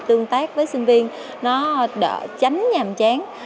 tương tác với sinh viên nó đỡ chánh nhàm chán